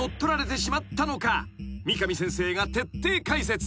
［三上先生が徹底解説］